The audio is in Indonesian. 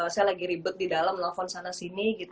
saya lagi ribet di dalam nelfon sana sini